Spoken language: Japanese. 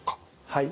はい。